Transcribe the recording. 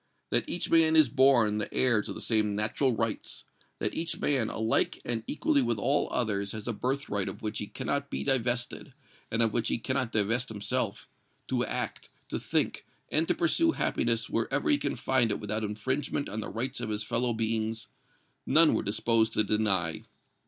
That each man is born the heir to the same natural rights that each man, alike and equally with all others, has a birthright of which he cannot be divested and of which he cannot divest himself, to act, to think and to pursue happiness wherever he can find it without infringement on the rights of his fellow beings none were disposed to deny.